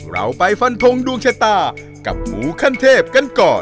เราไปฟันทงดวงชะตากับหมูขั้นเทพกันก่อน